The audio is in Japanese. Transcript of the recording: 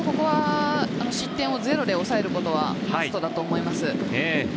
失点をゼロで抑えることがマストだと思います。